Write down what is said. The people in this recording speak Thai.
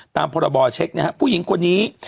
ตามพบเช็คเนี่ยฮะผู้หญิงคนนี้